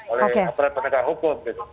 oleh peraturan penegakan hukum gitu